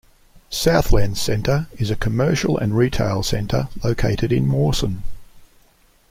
Southlands Centre is a commercial and retail centre located in Mawson.